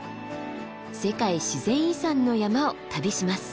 世界自然遺産の山を旅します。